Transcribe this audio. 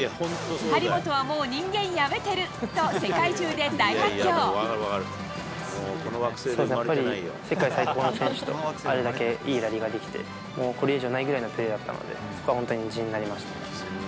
張本はもう人間やめてると、やっぱり、世界最高の選手と、あれだけいいラリーができて、もうこれ以上ないぐらいのプレーだったので、そこは本当に自信になりましたね。